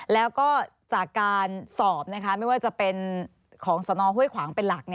แล้วก็จากการสอบไม่ว่าจะเป็นของสนห้วยขวางเป็นหลัก